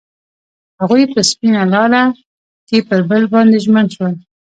هغوی په سپین لاره کې پر بل باندې ژمن شول.